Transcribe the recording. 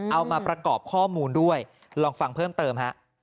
เอามาประกอบข้อมูลด้วยลองฟังเพิ่มเติมฮะ